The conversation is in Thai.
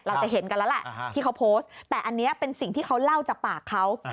เราจะเห็นกันแล้วแหละที่เขาโพสต์แต่อันนี้เป็นสิ่งที่เขาเล่าจากปากเขา